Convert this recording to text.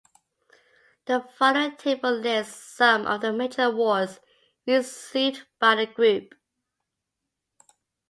The following table lists some of the major awards received by the group.